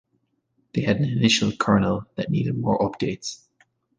They had an initial kernel that needed more updates.